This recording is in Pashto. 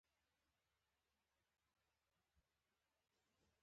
ښوروا د ډوډۍ خوند زیاتوي.